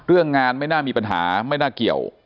เรื่องงานไม่น่ามีปัญหาไม่น่าเกี่ยว